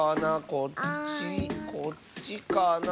こっちこっちかな。